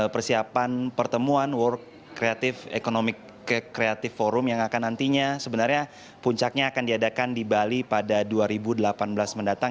persiapan pertemuan world creative economic creative forum yang akan nantinya sebenarnya puncaknya akan diadakan di bali pada dua ribu delapan belas mendatang